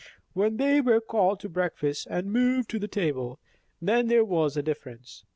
When they were called to breakfast and moved to the table, then there was a difference.